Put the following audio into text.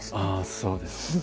そうですか。